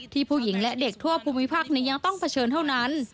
ผู้หญิงและเด็กทั่วภูมิภาคยังต้องเผชิญเท่านั้น